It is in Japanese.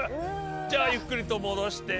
じゃあゆっくりともどして。